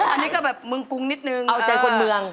อันนี้ก็แบบเมืองกรุงนิดนึง